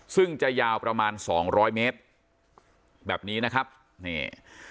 ซึ่งจะยาวประมาณสองร้อยเมตรแบบนี้นะครับนี่